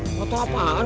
nggak tau apaan